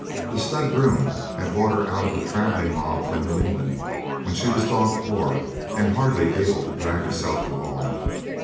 The stud groom had bought her out of a travelling mob from New England when she was dog poor and hardly able to drag herself along.